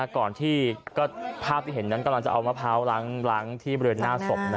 ภาพที่เห็นนั้นกำลังจะเอามะพร้าวล้างที่บริเวณหน้าศพ